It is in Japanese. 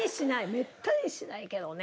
めったにしないけどね。